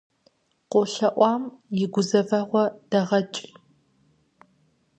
КъолъэӀуам и гузэвэгъуэ дэгъэкӀ.